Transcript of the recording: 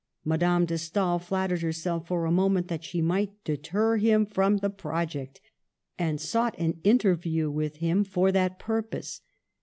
Madame de Stael flattered herself for a moment that she might deter him from the project, and sought an interview with him for that purpose.